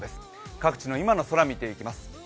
各地の今の空、見ていきます。